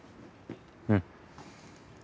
うん。